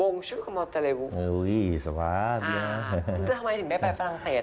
แล้วทำไมถึงได้ไปฝรั่งเศส